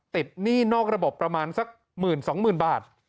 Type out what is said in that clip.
ติดหนี้นอกระบบประมาณสักหมื่นสองหมื่นบาท